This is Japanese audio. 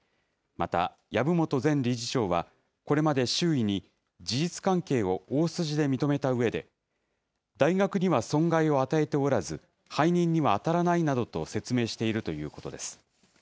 また、籔本前理事長は、これまで周囲に、事実関係を大筋で認めたうえで、大学には損害を与えておらず、背任には当たらないなどと説明しているということです。